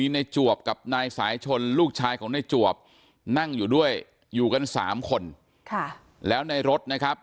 ในจวบกับนายสายชนลูกชายของในจวบนั่งอยู่ด้วยอยู่กัน๓คนแล้วในรถนะครับ